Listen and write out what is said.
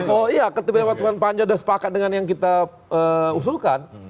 oh iya ketika teman teman panja sudah sepakat dengan yang kita usulkan